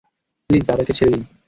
Please দাদাকে ছেড়ে দিন।